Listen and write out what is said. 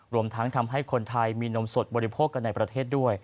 รวมทั้งทำให้คนไทยมีนมสดบริโภคกันในประเทศด้วย